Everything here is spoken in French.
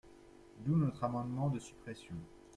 D’où notre amendement de suppression.